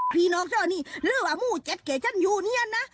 พี่น้องเจ้านี้หรือว่าหมู่เจ็ดแก่ฉันอยู่เนี่ยนะ